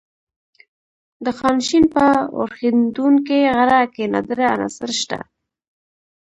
د خانشین په اورښیندونکي غره کې نادره عناصر شته.